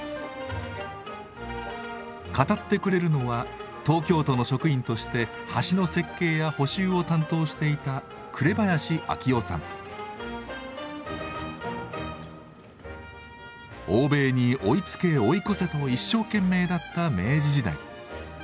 語ってくれるのは東京都の職員として橋の設計や補修を担当していた欧米に追いつけ追い越せと一生懸命だった明治時代。